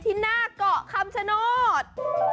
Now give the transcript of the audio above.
ที่หน้ากล้อคำชโนส